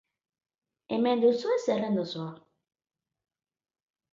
Hemen duzue zerrenda osoa.